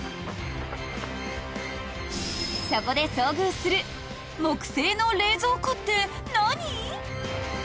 ［そこで遭遇する木製の冷蔵庫って何！？］